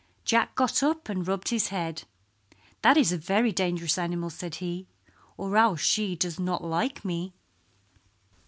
Jack got up and rubbed his head. "That is a very dangerous animal," said he, "or else she does not like me."